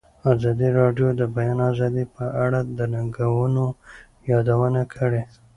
ازادي راډیو د د بیان آزادي په اړه د ننګونو یادونه کړې.